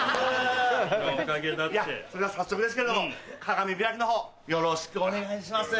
それでは早速ですけれども鏡開きのほうよろしくお願いします。